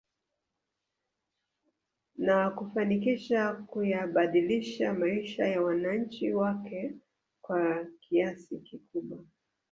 Na kufanikisha kuyabadilisha maisha ya wananchi wake kwa kiasi kikubwa